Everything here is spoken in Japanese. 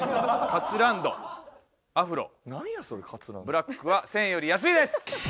ブラックは１０００円より安いです。